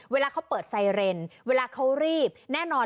เวลาเขาเปิดไซเรนเวลาเขารีบแน่นอน